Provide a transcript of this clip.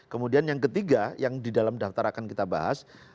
kemudian yang ketiga yang di dalam daftar akan kita bahas